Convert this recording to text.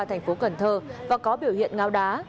thành phố cần thơ và có biểu hiện ngao đá